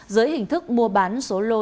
dưới hình thức mua bán số lô